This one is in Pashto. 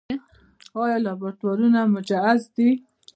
آیا لابراتوارونه مجهز دي؟